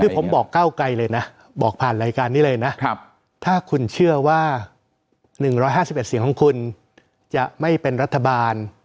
คือผมบอกก้าวไกลเลยนะบอกผ่านรายการนี้เลยนะถ้าคุณเชื่อว่า๑๕๑เสียงของคุณจะไม่เป็นรัฐบาล